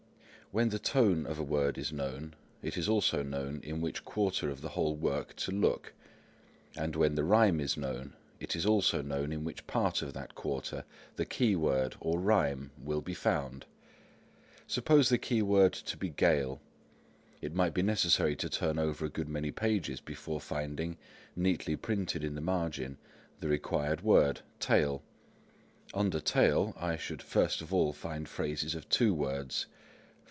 When the Tone of a word is known, it is also known in which quarter of the whole work to look; and when the Rhyme is known, it is also known in which part of that quarter the key word, or rhyme, will be found. Suppose the key word to be gale, it might be necessary to turn over a good many pages before finding, neatly printed in the margin, the required word, tale. Under tale I should first of all find phrases of two words, _e.